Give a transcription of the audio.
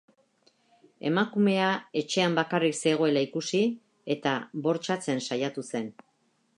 Emakumea etxean bakarrik zegoela ikusi eta bortxatzen saiatu zen.